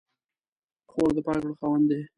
خور د پاک زړه خاوندې ده.